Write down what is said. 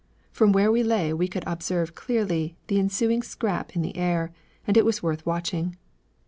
From where we lay we could observe clearly the ensuing scrap in the air, and it was worth watching.